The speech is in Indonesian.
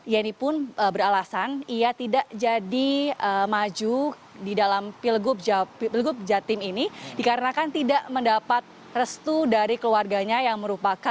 yeni pun beralasan ia tidak jadi maju di dalam pilgub jatim ini dikarenakan tidak mendapat restu dari keluarganya yang merupakan